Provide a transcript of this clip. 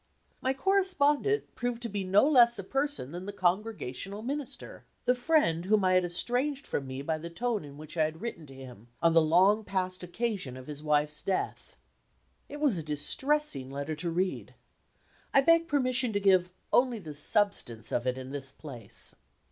My correspondent proved to be no less a person than the Congregational Minister the friend whom I had estranged from me by the tone in which I had written to him, on the long past occasion of his wife's death. It was a distressing letter to read. I beg permission to give only the substance of it in this place.